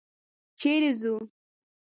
چېرې ځو؟